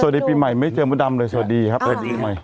ในปีใหม่ไม่เจอมดดำเลยสวัสดีครับสวัสดีปีใหม่